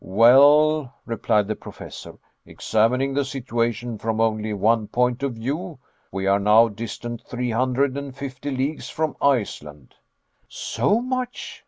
"Well," replied the Professor, "examining the situation from only one point of view, we are now distant three hundred and fifty leagues from Iceland." "So much?"